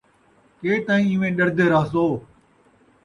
کے تئیں ایویں ݙردے راہسو